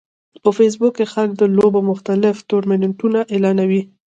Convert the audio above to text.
په فېسبوک کې خلک د لوبو مختلف ټورنمنټونه اعلانوي